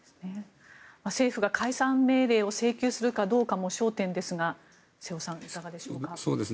政府が解散命令を請求するかどうかも焦点ですが瀬尾さん、いかがでしょうか。